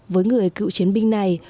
với người cựu chiến binh này